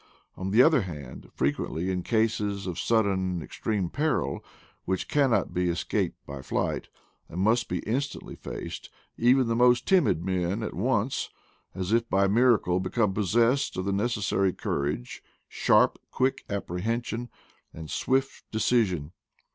On the other hand, frequently in cases of sudden extreme peril, which cannot be escaped by flight, and must be instantly faced, even the most timid men at once, as if by miracle, become possessed of the necessary cour age, sharp, quick apprehension, and swift de cision.